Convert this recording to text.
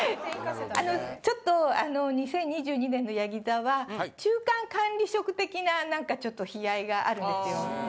あのちょっと２０２２年のやぎ座は中間管理職的な何かちょっと悲哀があるんですよ。